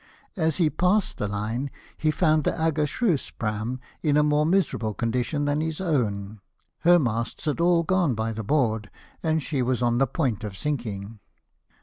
As he passed the line he found the Aggershious praam in a more miserable condition than his own ; her masts had all gone by the board, and she was on the point of sinking.